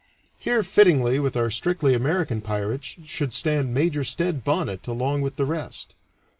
Here fittingly with our strictly American pirates should stand Major Stede Bonnet along with the rest.